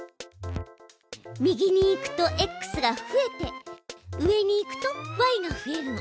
右に行くとｘが増えて上に行くとｙが増えるの。